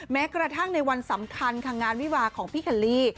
แม้กระทั่งในวันสำคัญค่ะงานวิวาของพี่คัลลี่